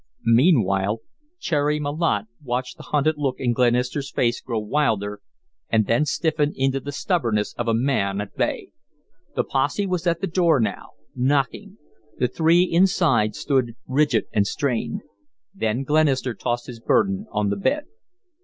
Meanwhile, Cherry Malotte watched the hunted look in Glenister's face grow wilder and then stiffen into the stubbornness of a man at bay. The posse was at the door now, knocking. The three inside stood rigid and strained. Then Glenister tossed his burden on the bed.